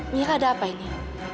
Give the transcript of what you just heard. mira ada apa ini